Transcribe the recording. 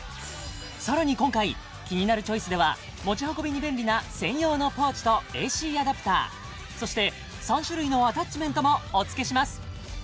さらに今回「キニナルチョイス」では持ち運びに便利な専用のポーチとＡＣアダプターそして３種類のアタッチメントもお付けします